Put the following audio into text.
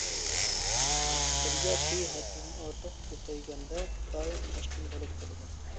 دەريا سۈيى ھەددىدىن ئارتۇق كۆپەيگەندە، دائىم تاشقىن بولۇپ تۇرىدۇ.